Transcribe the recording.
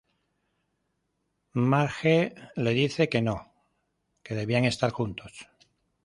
Marge le dice que no, que debían estar juntos.